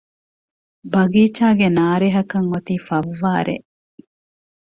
ބަގީޗާގެ ނާރެހަކަށް އޮތީ ފައްވާރެއް